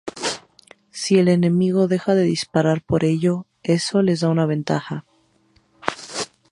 Si el enemigo deja de disparar por ello, eso les da una ventaja.